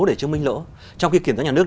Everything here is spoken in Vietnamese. để chứng minh lỗ trong khi kiểm toán nhà nước